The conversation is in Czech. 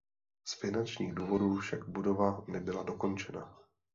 Z finančních důvodů však budova nebyla dokončena.